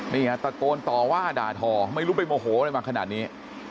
นี่ตะโกนต่อว่าด่าทอไม่รู้ไม่มอโหแล้วมาขนาดนี้